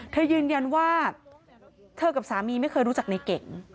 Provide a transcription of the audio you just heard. ยืนยันว่าเธอกับสามีไม่เคยรู้จักในเก่ง